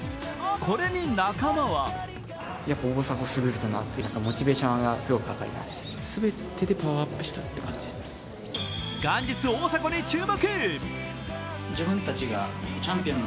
これに仲間は元日、大迫に注目。